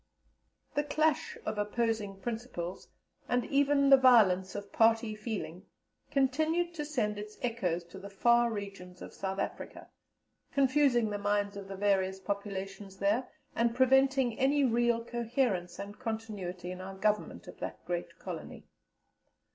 The clash of opposing principles, and even the violence of party feeling continued to send its echoes to the far regions of South Africa, confusing the minds of the various populations there, and preventing any real coherence and continuity in our Government of that great Colony.